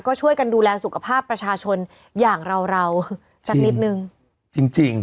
ก็ช่วยกันดูแลสุขภาพประชาชนอย่างเราสักนิดนึง